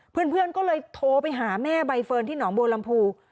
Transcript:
เพื่อนก็เลยโทรไปหาแม่ใบเฟิร์นที่หนองบัวลำพู